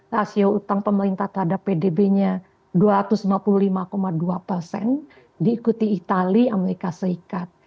rasio utang pemerintah terhadap pdb nya dua ratus lima puluh lima dua persen diikuti itali amerika serikat